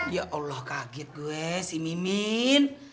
ya allah kaget gue si mimin